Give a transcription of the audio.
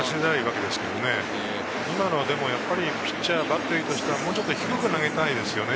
今のは、でもバッテリーとしてはもうちょっと低く投げたいですね。